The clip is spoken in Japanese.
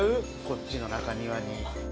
こっちの中庭に。